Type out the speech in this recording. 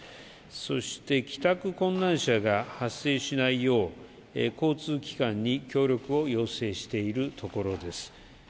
そして帰宅困難者が発生しないよう交通機関に協力を要請しているところです。